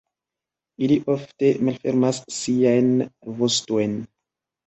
Ili ofte malfermas siajn vostojn.